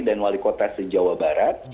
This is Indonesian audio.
dan wali kota sejawa barat